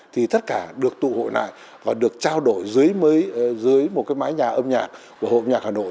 thì tất cả được tụ hội lại và được trao đổi dưới một cái mái nhà âm nhạc của hội âm nhạc hà nội